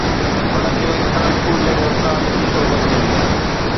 هن کي ارسطو جهڙي استاد جي صحبت ملي